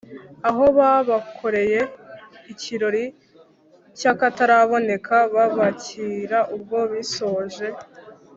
aho babakoreye ikirori cy’akataraboneka babakira ubwo bisoje